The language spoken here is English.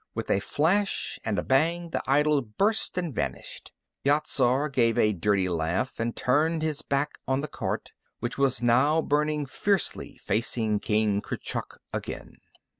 With a flash and a bang, the idol burst and vanished. Yat Zar gave a dirty laugh and turned his back on the cart, which was now burning fiercely facing King Kurchuk again.